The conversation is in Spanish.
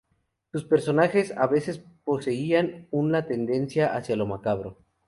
Sus personajes a veces poseían una tendencia hacia lo macabro.